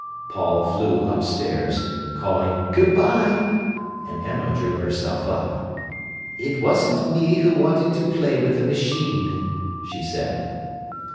Paul flew upstairs, calling "Good bye!" and Emma drew herself up. "It wasn't me who wanted him to play with the machine," she said.